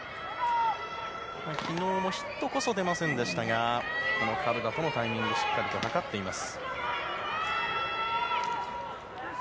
昨日ヒットこそ出ませんでしたがカルダとのタイミングをしっかりと計っています。